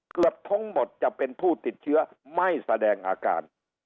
เกือบทั้งหมดจะเป็นผู้ติดเชื้อไม่แสดงอาการ